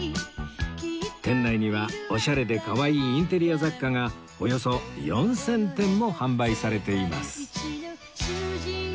店内にはオシャレでかわいいインテリア雑貨がおよそ４０００点も販売されています